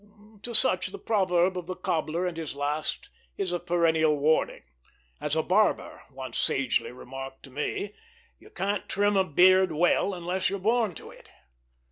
To such the proverb of the cobbler and his last is of perennial warning. As a barber once sagely remarked to me, "You can't trim a beard well, unless you're born to it."